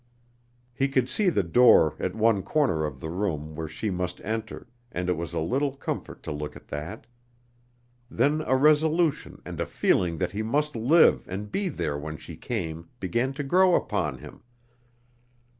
He could see the door at one corner of the room where she must enter, and it was a little comfort to look at that. Then a resolution and a feeling that he must live and be there when she came began to grow upon him.